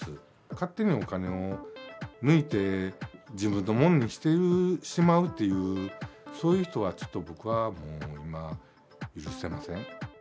勝手にお金を抜いて、自分のものにしてしまうという、そういう人はちょっと僕はもう今、許せません。